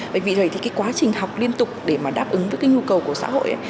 bởi vì vậy thì cái quá trình học liên tục để mà đáp ứng với cái nhu cầu của xã hội